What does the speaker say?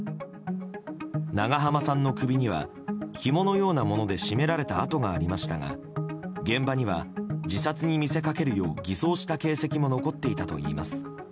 長濱さんの首にはひものようなもので絞められた痕がありましたが現場には自殺に見せかけるよう偽装した形跡も残っていたといいます。